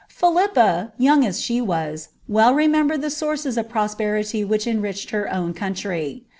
Philippa, young as she was, well remembered the sources of [vm perity which enriched her own country.